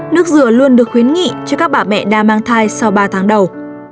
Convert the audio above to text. nước rửa luôn được khuyến nghị cho các bà mẹ đang mang thai sau ba tháng đầu